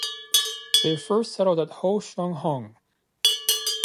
They first settled at Ho Sheung Heung.